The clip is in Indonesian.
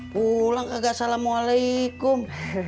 pulang kagak assalamualaikum